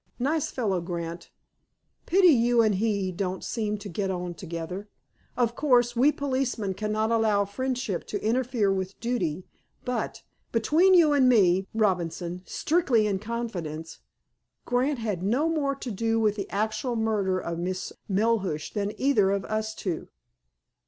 Nice fellow, Grant. Pity you and he don't seem to get on together. Of course, we policemen cannot allow friendship to interfere with duty, but, between you and me, Robinson—strictly in confidence—Grant had no more to do with the actual murder of Miss Melhuish than either of us two."